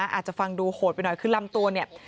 อาจจะฟังดูโหดไปหน่อยคือลำตัวเนี่ย